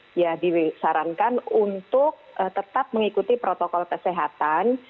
ya disarankan untuk tetap mengikuti protokol kesehatan